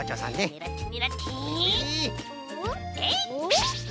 ねらってねらってえいっ！